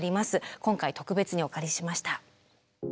今回特別にお借りしました。